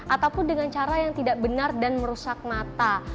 ataupun dengan cara yang tidak benar dan merusak mata